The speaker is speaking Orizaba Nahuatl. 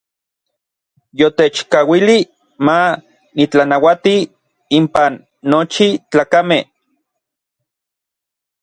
Yotechkauilij ma nitlanauati inpan nochi tlakamej.